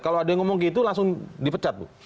kalau ada yang ngomong gitu langsung dipecat bu